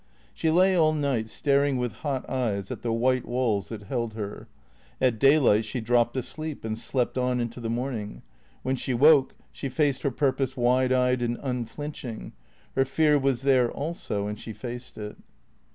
She lay all night staring with hot eyes at the white walls that held her. At daylight she dropped asleep and slept on into the morning. When she woke she faced her purpose wide eyed and unflinching. Her fear was there also and she faced it.